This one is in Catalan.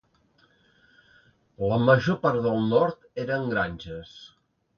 La major part del nord eren granges.